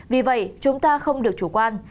vì vậy chúng ta không được chủ quan